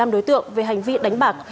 một mươi năm đối tượng về hành vi đánh bạc